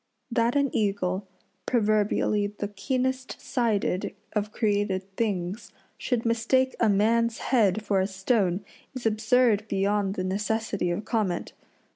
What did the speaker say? That an eagle, proverbially the keenest sighted of created things, should mistake a man's head for a stone is absurd beyond the necessity of comment.